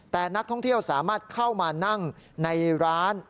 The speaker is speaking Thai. แต่นักท่องเที่ยวสามารถเข้ามานั่งในร้าน